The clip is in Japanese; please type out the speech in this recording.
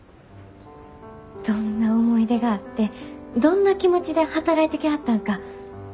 どんな思い出があってどんな気持ちで働いてきはったんか